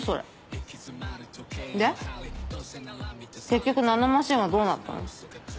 結局ナノマシンはどうなったの？